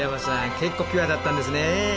結構ピュアだったんですね。